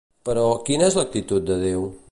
Però, quina és l'actitud de Déu?